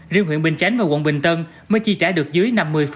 riêng huyện bình chánh và quận bình tân mới chi trả được dưới năm mươi